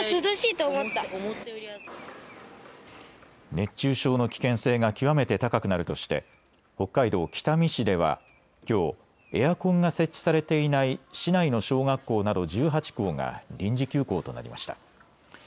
熱中症の危険性が極めて高くなるとして北海道北見市ではきょうエアコンが設置されていない市内の小学校など１８校が臨時休校となりました。